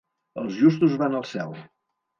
Els justos van al cel.